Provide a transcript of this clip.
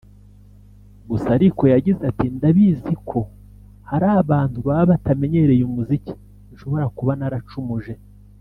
Gusa ariko yagize ati “Ndabiziko hari abantu baba batamenyereye umuziki nshobora kuba naracumuje